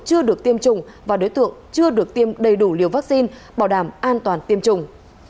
chưa được tiêm chủng và đối tượng chưa được tiêm đầy đủ liều vaccine bảo đảm an toàn tiêm chủng